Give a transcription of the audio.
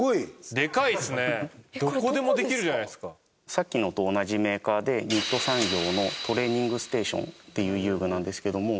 さっきのと同じメーカーで日都産業のトレーニングステーションっていう遊具なんですけども。